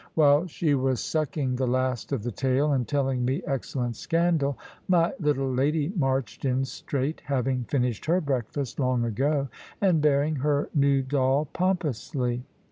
While she was sucking the last of the tail, and telling me excellent scandal, my little lady marched in straight, having finished her breakfast long ago, and bearing her new doll pompously.